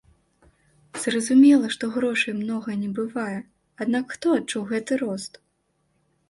Зразумела, што грошай многа не бывае, аднак хто адчуў гэты рост?